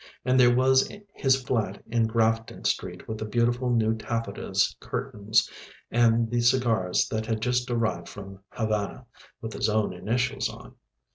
And there was his flat in Grafton Street with the beautiful new taffetas curtains and the cigars that had just arrived from Havana, with his own initials on.